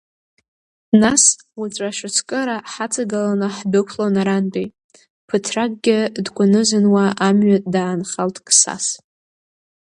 Нас уаҵәы ашацкыра ҳаҵагыланы ҳдәықәлон арантәи, ԥыҭракгьы дкәанызануа амҩа даанхалт Қсас.